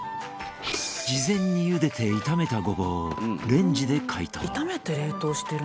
事前にゆでて炒めたゴボウをレンジで解凍。